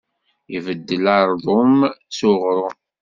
Ibeddel ardum s uɣrum.